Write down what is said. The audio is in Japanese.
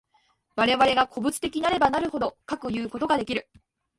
我々が個物的なればなるほど、かくいうことができる。